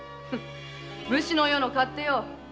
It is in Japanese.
武士の世の勝手よ。